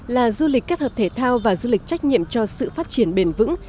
là du lịch kết hợp thể thao và du lịch trách nhiệm cho sự phát triển bền vững